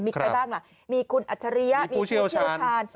มีใครบ้างล่ะมีคุณอัจฉริยะมีผู้เชี่ยวชาญ